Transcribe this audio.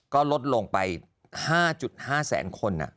ก็ลดลงไป๕๕แสนคน